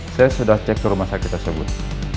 saya sudah cek ke rumah sakit tersebut